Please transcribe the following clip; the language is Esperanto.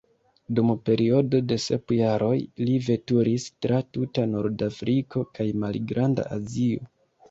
Dum periodo de sep jaroj li veturis tra tuta Nordafriko kaj Malgranda Azio.